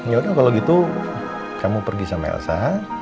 yaudah kalau gitu kamu pergi sama elsa